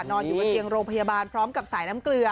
นอนอยู่บนเตียงโรงพยาบาลพร้อมกับสายน้ำเกลือ